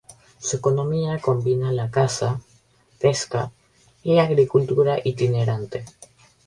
Su economía combina la caza, pesca y agricultura itinerante.